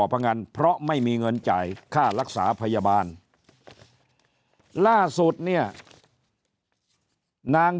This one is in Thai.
พงันเพราะไม่มีเงินจ่ายค่ารักษาพยาบาลล่าสุดเนี่ยนาง